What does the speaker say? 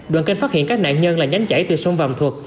đoàn kênh phát hiện các nạn nhân là nhánh chảy từ sông vàm thuật